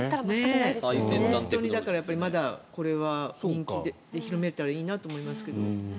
だから、まだこれは人気で広めたらいいなと思いますけど。